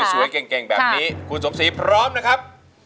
สวยเก่งแบบนี้คุณสมศรีพร้อมนะครับ